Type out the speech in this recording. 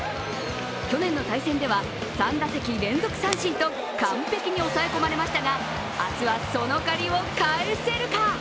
去年の対戦では３打席連続三振と完璧に押さえ込まれましたが明日はその借りを返せるか？